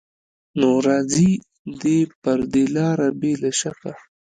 نو راځي دې پر دې لاره بې له شکه